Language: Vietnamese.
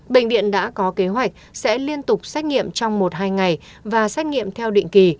bệnh viện đã có kế hoạch sẽ liên tục xét nghiệm trong một hai ngày và xét nghiệm theo định kỳ